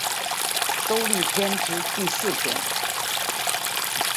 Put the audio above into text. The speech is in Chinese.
兜率天之第四天。